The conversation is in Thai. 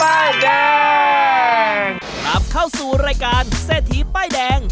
กลับเข้าสู่รายการเศรษฐีป้ายแดง